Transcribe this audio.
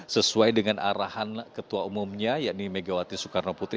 sesuai dengan arahan ketua umumnya yaitu megawati soekarnoputri